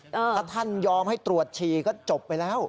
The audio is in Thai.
ถ้าท่านยอมให้ตรวจฉี่ก็จบไปแล้ว